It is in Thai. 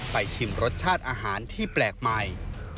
ชิมรสชาติอาหารที่แปลกใหม่